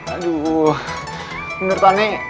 aduh menurut aneh